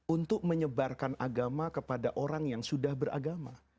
untuk menyebarkan agama kepada orang yang sudah beragama